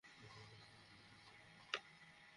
আর police আমাকে এমন অপরাধের জন্য খুঁজছিল যা আমি করিনি।